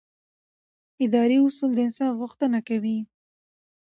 اداري اصول د انصاف غوښتنه کوي.